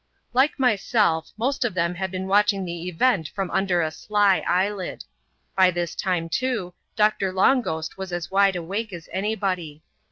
like myself, most of them had been watching the event from binder a sly eyelid. By this time, too. Doctor Long Ghost was ss wide awake as any body.